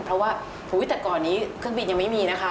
เพราะว่าแต่ก่อนนี้เครื่องบินยังไม่มีนะคะ